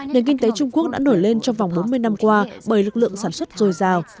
nền kinh tế trung quốc đã nổi lên trong vòng bốn mươi năm qua bởi lực lượng sản xuất dồi dào